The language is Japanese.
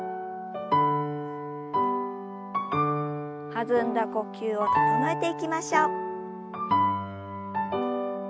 弾んだ呼吸を整えていきましょう。